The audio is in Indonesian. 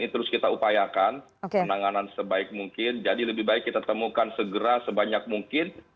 terus kita upayakan penanganan sebaik mungkin jadi lebih baik kita temukan segera sebanyak mungkin